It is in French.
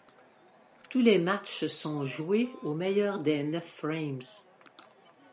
Tous les matchs sont joués au meilleur des neuf frames.